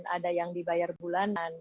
ada yang dibayar bulanan